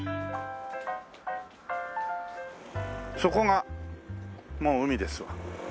そこがもう海ですわ。